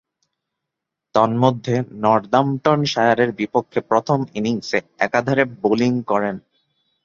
তন্মধ্যে, নর্দাম্পটনশায়ারের বিপক্ষে প্রথম ইনিংসে একাধারে বোলিং করেন।